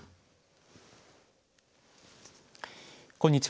こんにちは。